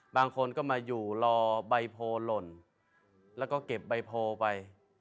บางคนก็มาอยู่รอใบโพลหล่นแล้วก็เก็บใบโพลไป